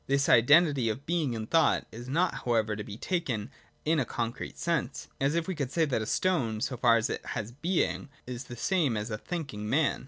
This identity of being and thought is not however to be taken in a concrete sense, as if we could say that a stone, so far as it has being, is the same as a thinking man.